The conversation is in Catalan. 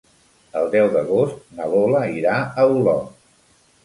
El deu d'agost na Lola irà a Olot.